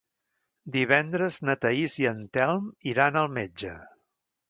Divendres na Thaís i en Telm iran al metge.